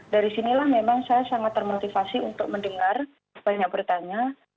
dari sinilah memang saya sangat termotivasi untuk mendengar banyak bertanya